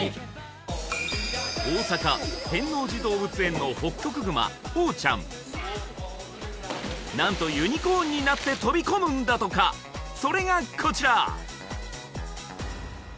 大阪・天王寺動物園のホッキョクグマホウちゃん何とユニコーンになって飛び込むんだとかそれがこちら！